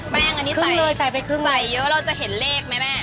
แป้งอันนี้ใส่เลยใส่ไปครึ่งใบเยอะเราจะเห็นเลขไหมแม่